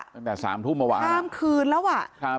ตั้งแต่๓ทุ่มเมื่อวาน